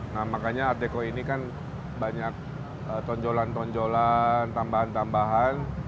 nah makanya art deko ini kan banyak tonjolan tonjolan tambahan tambahan